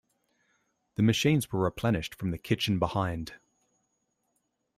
The machines were replenished from the kitchen behind.